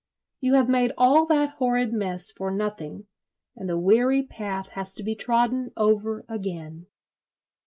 You have made all that horrid mess for nothing, and the weary path has to be trodden over again.